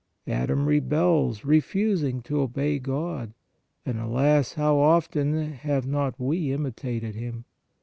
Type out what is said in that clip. Adam rebels, refusing to obey God ; and, alas ! how often 190 PRAYER have not we imitated him